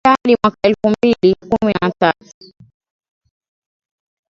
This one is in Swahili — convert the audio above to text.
na kuendelea hadi mwaka elfu mbili kumi na tatu